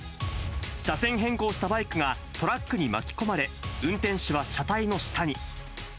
車線変更したバイクがトラックに巻き込まれ、運転手は車体の下に。